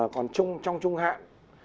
còn trong trung hạn